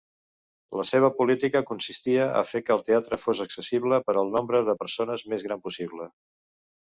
La seva política consistia a fer que el teatre fos accessible per al nombre de persones més gran possible.